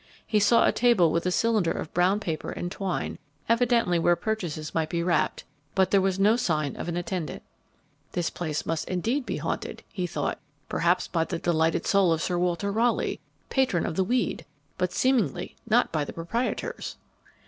He saw a table with a cylinder of brown paper and twine, evidently where purchases might be wrapped; but there was no sign of an attendant. "This place may indeed be haunted," he thought, "perhaps by the delighted soul of Sir Walter Raleigh, patron of the weed, but seemingly not by the proprietors."